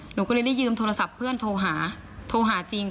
หนูก็เลยได้ยืมโทรศัพท์เพื่อนโทรหาโทรหาจริง